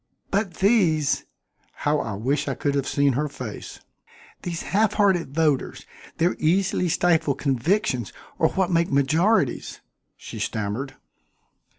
"But these " How I wish I could have seen her face! "These half hearted voters, their easily stifled convictions are what make majorities," she stammered.